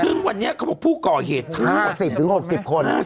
ซึ่งวันนี้เขาบอกผู้ก่อเหตุ๕๐๖๐คน